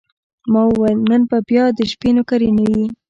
ما وویل: نن به بیا د شپې نوکري نه یې؟